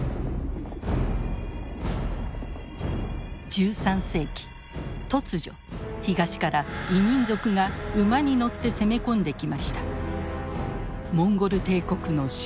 １３世紀突如東から異民族が馬に乗って攻め込んできました。